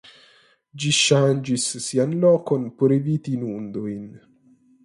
Ĝi ŝanĝis sian lokon por eviti inundojn.